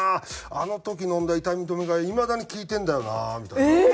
あの時飲んだ痛み止めがいまだに効いてるんだよな」みたいな。